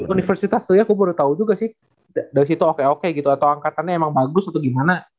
kalau universitas tuh ya gue baru tau juga sih dari situ oke oke gitu atau angkatannya emang bagus atau gimana